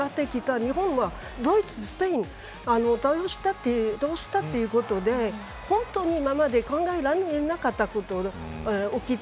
日本は、ドイツ、スペイン倒したってどうしたということで本当に今まで考えられなかったことが起きた。